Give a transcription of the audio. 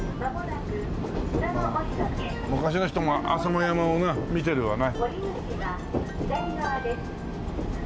昔の人も浅間山をな見てるわね。